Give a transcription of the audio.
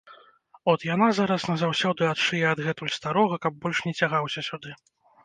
От яна зараз назаўсёды адшые адгэтуль старога, каб больш не цягаўся сюды.